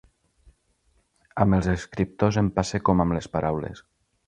Amb els escriptors em passa com amb les paraules.